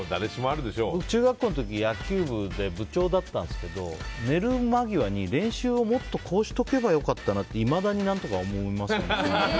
僕は中学校の時、野球部で部長だったんですけど寝る間際に練習をもっとこうしておけば良かったなっていまだに思いますよ。